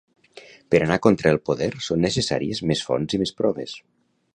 Per anar contra el poder són necessàries més fonts i més proves.